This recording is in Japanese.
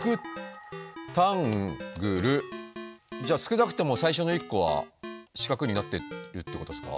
じゃあ少なくても最初の１個は四角になってるってことっすか？